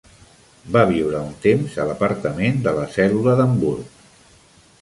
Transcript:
Va viure un temps a l'apartament de la cèl·lula d'Hamburg.